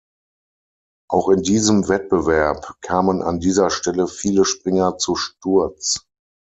Auch in diesem Wettbewerb kamen an dieser Stelle viele Springer zu Sturz.